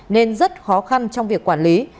nên rất khó khăn trong việc quản lý